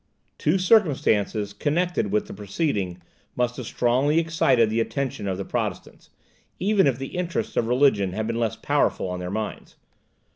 Two circumstances connected with this proceeding must have strongly excited the attention of the Protestants, even if the interests of religion had been less powerful on their minds.